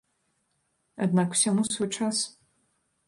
Аднак усяму свой час.